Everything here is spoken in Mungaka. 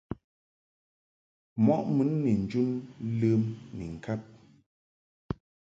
Mɔʼ mun ni njun ləm ni ŋkab .